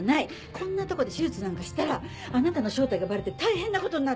こんなとこで手術なんかしたらあなたの正体がバレて大変なことになる！